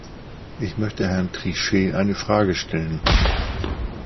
Ich möchte Herrn Trichet eine Frage stellen.